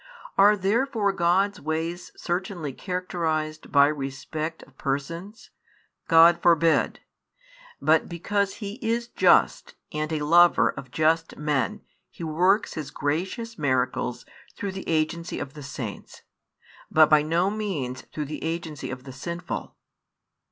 Are therefore God's ways certainly characterised by respect of persons? God forbid! But because He is just and a lover of just men He works His gracious miracles through the agency of the saints, but by no means through the agency of the sinful.